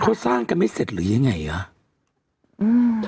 เขาสร้างกันไม่เสร็จหรือยังไงอ่ะ